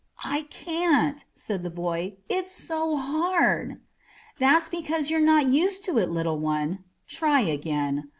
"I can't," said the boy; "it's so hard." "That's because you are not used to it, little one. Try again.